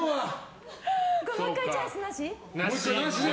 もう１回チャンスなし？